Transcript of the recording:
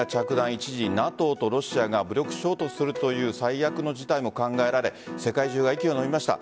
一時、ＮＡＴＯとロシアが武力衝突するという最悪の事態も考えられ世界中が息をのみました。